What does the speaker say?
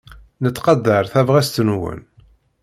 Nettqadar tabɣest-nwen.